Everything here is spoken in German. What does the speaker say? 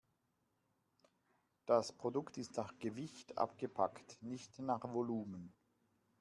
Das Produkt ist nach Gewicht abgepackt, nicht nach Volumen.